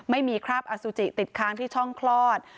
ไม่มีคราบอสุจิติดค้างที่ช่องคลอด